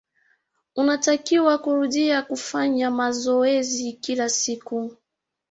Unatakiwa kurudia kufanya mazoezi kila siku.